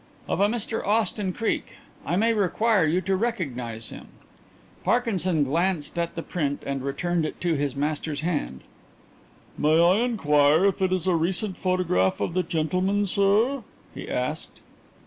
" of a Mr Austin Creake. I may require you to recognize him." Parkinson glanced at the print and returned it to his master's hand. "May I inquire if it is a recent photograph of the gentleman, sir?" he asked.